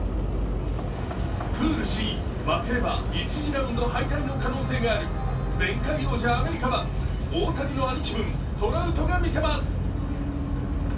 プールＣ、負ければ１次ラウンド敗退の可能性もある前回王者・アメリカは大谷の兄貴分・トラウトが見せます。